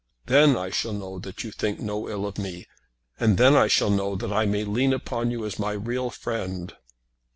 Then I shall know that you think no ill of me; and then I shall know that I may lean upon you as my real friend."